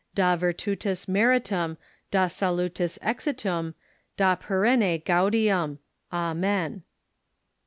Da virtutis meritum, Da salutis exitum, Da perenne gaudium ! Amen."